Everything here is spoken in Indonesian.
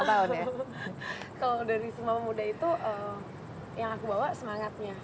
kalau dari semua muda itu yang aku bawa semangatnya